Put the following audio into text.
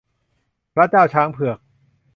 พระเจ้าช้างเผือก